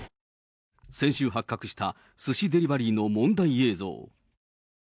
先週発覚したすしデリバリーの問題映像。